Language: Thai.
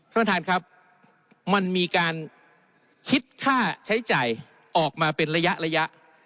ท่านประธานครับมันมีการคิดค่าใช้จ่ายออกมาเป็นระยะระยะ